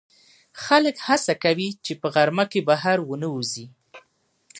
خلک هڅه کوي چې په غرمه کې بهر ونه وځي